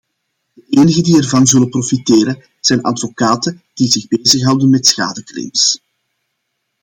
De enigen die ervan zullen profiteren, zijn advocaten die zich bezighouden met schadeclaims.